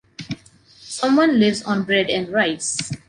Someone lives on bread and rice.